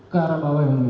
ke arah bawah ya mulia